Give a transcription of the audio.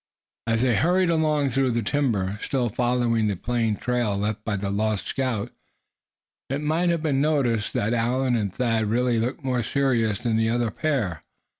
As they hurried along through the timber, still following the plain trail left by the lost scout, it might have been noticed that Allan and Thad really looked more serious than the other pair.